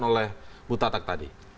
seperti yang diceritakan oleh buta tak tadi